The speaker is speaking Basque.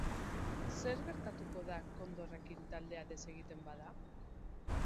Zer gertatuko da kondorrekin taldea desegiten bada?